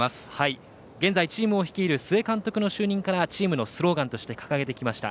現在、チームを率いる須江監督の就任からチームのスローガンとして掲げてきました。